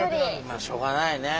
しょうがないね。